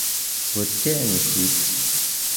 Pue tèt nkùt.